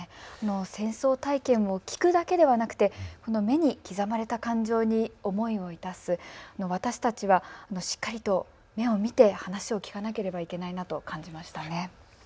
戦争体験を聞くだけではなくて目に刻まれた感情に思いを致す、私たちはしっかりと目を見て話を聞かなければいけないなと感じました。